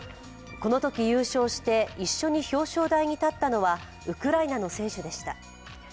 このとき優勝して、一緒に表彰台に立ったのはウクライナの選手でした。